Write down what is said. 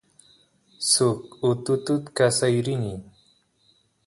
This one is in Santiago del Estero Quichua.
suk ututut kasay rini